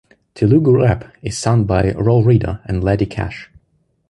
Telugu Rap is sung by Roll Rida and Lady Kash.